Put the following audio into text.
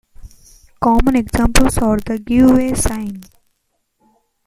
Common examples are the Give Way sign.